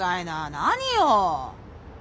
何よ？